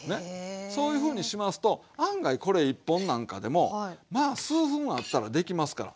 そういうふうにしますと案外これ１本なんかでもまあ数分あったらできますから。